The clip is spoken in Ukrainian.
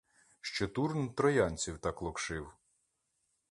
Що Турн троянців так локшив;